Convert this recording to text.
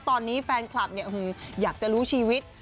ตอนนี้แฟนคลับเนี่ยอยากจะรู้ชีวิต